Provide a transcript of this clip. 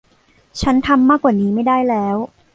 ฉันทำมากกว่านี้ไม่ได้แล้ว